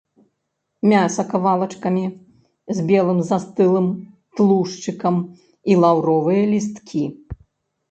Мяса кавалачкамі, з белым застыглым тлушчыкам, і лаўровыя лісткі.